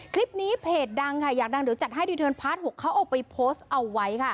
เพจดังค่ะอยากดังเดี๋ยวจัดให้รีเทิร์นพาร์ท๖เขาเอาไปโพสต์เอาไว้ค่ะ